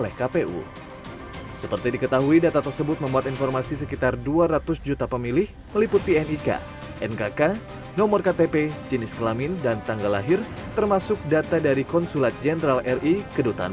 hashim pun menegaskan kpu akan berhasil mengembalikan kesehatan kpu dan bin pada tahun dua ribu dua puluh